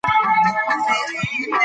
هغه له سوات څخه لندن ته روانه وه.